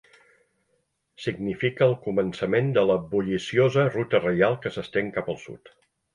Significa el començament de la bulliciosa Ruta Reial que s'estén cap al sud.